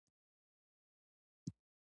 د شروډنګر پیشو په یو وخت کې ژوندۍ او مړه وي.